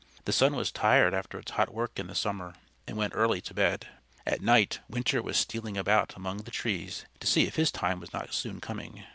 The sun was tired after his hot work in the summer, and went early to bed. At night Winter was stealing about among the trees to see if his time was not soon coming.